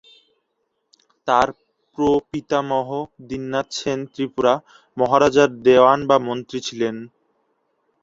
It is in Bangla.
তার প্রপিতামহ দীননাথ সেন ত্রিপুরা মহারাজার দেওয়ান বা মন্ত্রী ছিলেন।